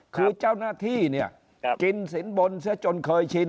คือเจ้าหน้าที่เนี้ยครับกินสินบนเชื่อจนเคยชิน